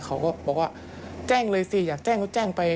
เขาก็บอกว่าแจ้งเลยสิอยากแจ้งก็แจ้งไป